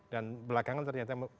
dan belakangan ternyata